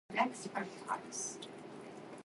你好呀,今日天氣好好